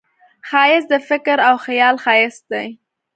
ښایست د فکر او خیال ښایست دی